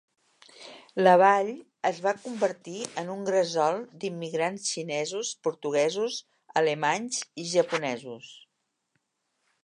La vall es va convertir en un gresol d'immigrants xinesos, portuguesos, alemanys i japonesos.